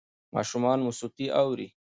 ماشومان موسیقي اوري.